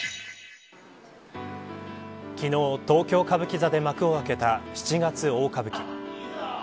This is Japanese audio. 昨日、東京歌舞伎座で幕を開けた七月大歌舞伎。